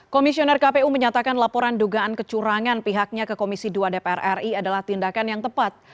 komisioner kpu menyatakan laporan dugaan kecurangan pihaknya ke komisi dua dpr ri adalah tindakan yang tepat